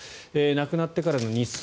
亡くなってからの日数